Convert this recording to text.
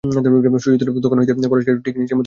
সুচরিতা তখন হইতে পরেশকে ঠিক নিজের পিতার মতোই জানিত।